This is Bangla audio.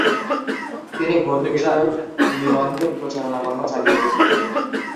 তিনি ভোটবিষয়ক নিবন্ধের প্রচারণাকর্ম চালিয়ে যেতে থাকেন।